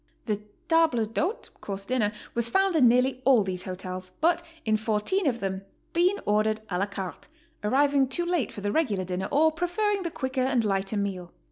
The table d'hote (course 'dinner) was found in nearly all those hotels, but in 14 of them Bean ordered a la carte, arriving too late for the regular dinner or preferring the quicker and lighter meal.